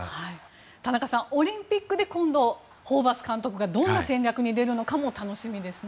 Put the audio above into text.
田中さん、オリンピックで今度ホーバス監督がどんな戦略に出るのかも楽しみですね。